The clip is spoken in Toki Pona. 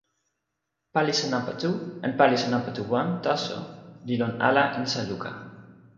palisa nanpa tu en palisa nanpa tu wan taso li lon ala insa luka.